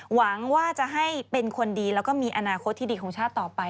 หวังว่าจะให้เป็นคนดีแล้วก็มีอนาคตที่ดีของชาติต่อไป